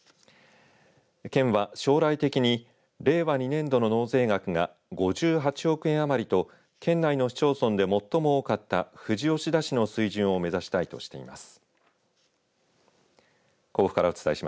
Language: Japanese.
県は、将来的に令和２年度の納税額が５８億円あまりと県内の市町村で最も高かった富士吉田市の水準を目指したいとしています。